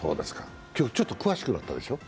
今日ちょっと詳しくなったでしょ？